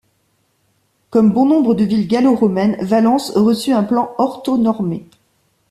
Comme bon nombre de villes gallo-romaines, Valence reçut un plan orthonormé.